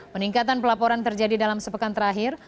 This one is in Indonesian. peningkatan pelaporan terjadi dalam sepekan terakhir